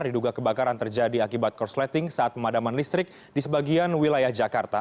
diduga kebakaran terjadi akibat korsleting saat pemadaman listrik di sebagian wilayah jakarta